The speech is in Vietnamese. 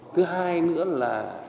thứ hai nữa là